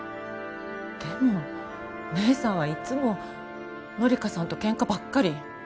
でも姉さんはいつも紀香さんと喧嘩ばっかり。